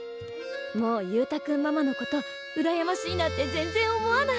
もう勇太君ママのことうらやましいなんて全然思わない。